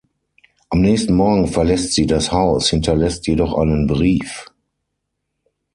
Am nächsten Morgen verlässt sie das Haus, hinterlässt jedoch einen Brief.